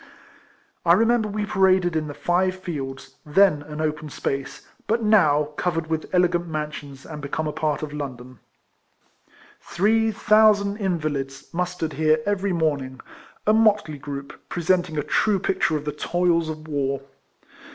I remember we paraded in the Five Fields, then an open space, but now covered with elegant mansions, and become a part of London. Three thousand invalids mustered 27G RECOLLECTIONS OF here every morning — a motley group, pre senting a true picture of the toils of war.